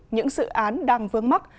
những dự án đang vướng mắt